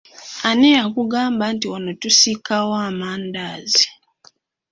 Ani yakugamba nti wano tusiikawo amandaazi?